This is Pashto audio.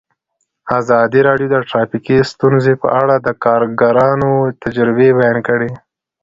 ازادي راډیو د ټرافیکي ستونزې په اړه د کارګرانو تجربې بیان کړي.